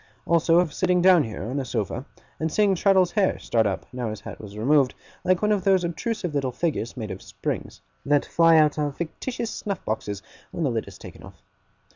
Also of sitting down here, on a sofa, and seeing Traddles's hair start up, now his hat was removed, like one of those obtrusive little figures made of springs, that fly out of fictitious snuff boxes when the lid is taken off.